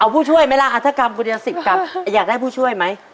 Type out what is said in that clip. เอาผู้ช่วยไหมล่ะถ้ากรรมกูจะสิบกรรมอยากได้ผู้ช่วยไหม